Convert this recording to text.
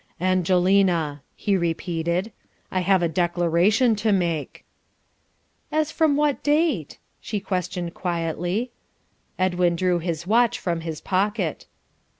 "Angelina," he repeated, "I have a declaration to make." "As from what date?" she questioned quietly. Edwin drew his watch from his pocket.